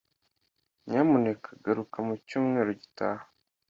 Nyamuneka garuka mu cyumweru gitaha.